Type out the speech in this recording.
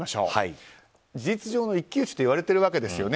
事実上の一騎打ちといわれているわけですよね。